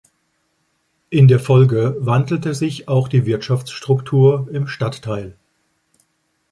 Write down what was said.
In der Folge wandelte sich auch die Wirtschaftsstruktur im Stadtteil.